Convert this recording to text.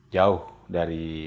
jauh dari rumah